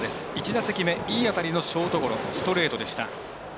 １打席目、いい当たりのショートゴロ、ストレートでした。